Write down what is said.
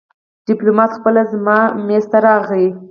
ډيپلومات خپله زما مېز ته راغی.